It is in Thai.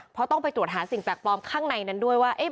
เพราะต้องไปตรวจหาสิ่งแปลกปลอมข้างในนั้นด้วยว่า